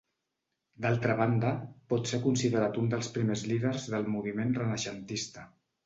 D'altra banda, pot ser considerat un dels primers líders del moviment renaixentista.